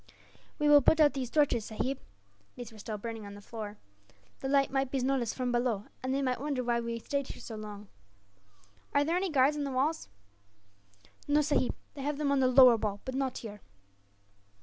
"We will put out these torches, sahib," these were still burning on the floor "the light might be noticed from below, and they might wonder why we stayed here so long." "Are there any guards on the walls?" "No, sahib; they have them on the lower wall, but not here."